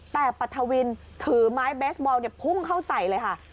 แต่ปัสธาวินถือไม้แบบด์บอลจะพุ่มเข้าใส่เลยค่ะ